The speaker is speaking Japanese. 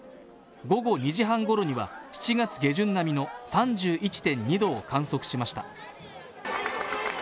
午後２時半ごろには７月下旬並みの３１．２度を観測しました。